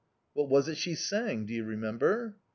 "What was it she sang do you remember?"